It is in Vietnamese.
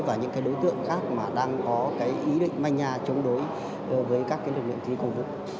đối với những cái đối tượng khác mà đang có cái ý định manh nha chống đối với các cái lực lượng thi công vụ